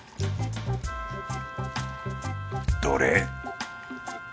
どれ！